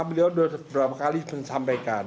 beliau sudah beberapa kali menyesampaikan